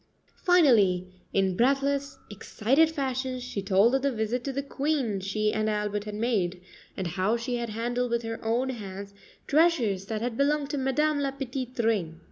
Finally, in breathless, excited fashion, she told of the visit to the Queen she and Albert had made, and of how she had handled with her own hands treasures that had belonged to Madame La Petite Reine.